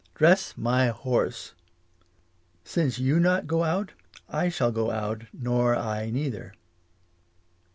Dress my horse. Since you not go out, I shall go out nor I neither.